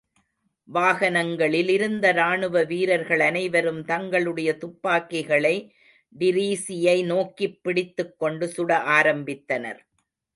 வாகனங்களிலிருந்த ராணுவ வீரர்கள் அனைவரும் தங்களுடைய துப்பாக்கிகளை டிரீஸியை நோக்கிப் பிடித்துக் கொண்டு சுட ஆரம்பித்தனர்.